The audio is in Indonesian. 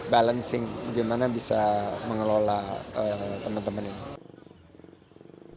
balancing bagaimana bisa mengelola teman teman ini